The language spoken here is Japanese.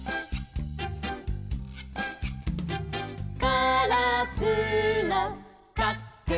「カラスのかっくん」